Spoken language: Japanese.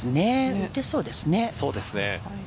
打てそうです。